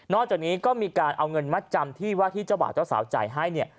จากนี้ก็มีการเอาเงินมัดจำที่ว่าที่เจ้าบ่าวเจ้าสาวจ่ายให้เนี่ย